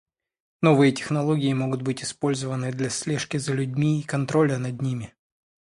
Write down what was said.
Новые технологии могут быть использованы для слежки за людьми и контроля над ними.